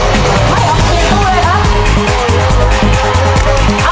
ม่อนไปเร็ว